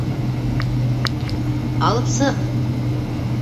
Алып сыҡ!